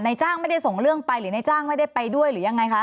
จ้างไม่ได้ส่งเรื่องไปหรือในจ้างไม่ได้ไปด้วยหรือยังไงคะ